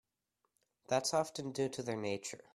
That's often due to their nature.